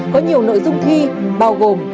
có nhiều nội dung thi bao gồm